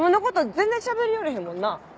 全然しゃべりよれへんもんな。